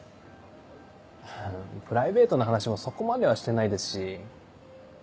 プライベートな話もそこまではしてないですし。